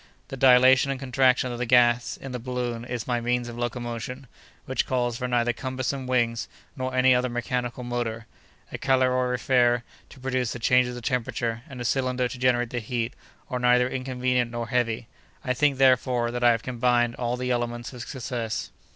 The dilation and contraction of the gas in the balloon is my means of locomotion, which calls for neither cumbersome wings, nor any other mechanical motor. A calorifere to produce the changes of temperature, and a cylinder to generate the heat, are neither inconvenient nor heavy. I think, therefore, that I have combined all the elements of success."